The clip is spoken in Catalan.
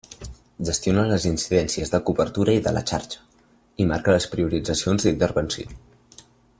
Gestiona les incidències de cobertura i de la xarxa i marca les prioritzacions d'intervenció.